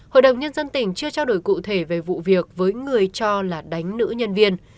hội đồng nhân dân tỉnh chưa trao đổi cụ thể về vụ việc với người cho là đánh nữ nhân viên